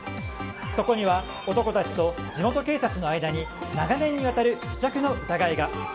そこには男たちと地元警察の間に長年にわたる癒着の疑いが。